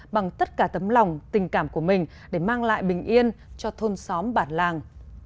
bằng tất cả tấm lòng tình cảm của mình để mang lại bình yên cho thôn xóm bản làng